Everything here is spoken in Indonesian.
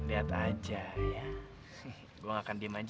lihat aja ya sih gue gak akan diem aja